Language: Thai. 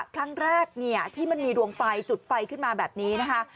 ครั้งแรกเนี่ยที่มันมีดวงไฟจุดไฟขึ้นมาแบบนี้นะคะ